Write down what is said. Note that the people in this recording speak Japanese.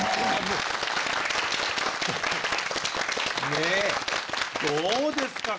ねえどうですか